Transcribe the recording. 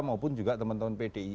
maupun juga teman teman pdi